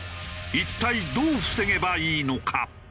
一体どう防げばいいのか？